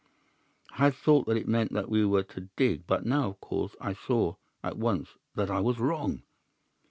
"I had thought that it meant that we were to dig, but now, of course, I saw at once that I was wrong.